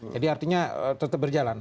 jadi artinya tetap berjalan